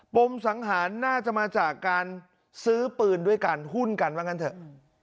มสังหารน่าจะมาจากการซื้อปืนด้วยกันหุ้นกันว่างั้นเถอะ